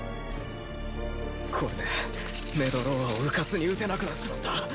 これでメドローアをうかつに撃てなくなっちまった。